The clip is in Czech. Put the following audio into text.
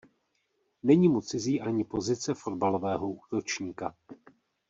Není mu cizí ani pozice fotbalového útočníka.